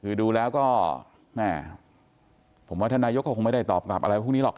คือดูแล้วก็แม่ผมว่าท่านนายกก็คงไม่ได้ตอบกลับอะไรพวกนี้หรอก